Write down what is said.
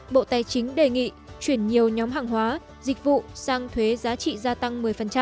bộ tài chính đề nghị chuyển nhiều nhóm hàng hóa dịch vụ sang thuế giá trị gia tăng một mươi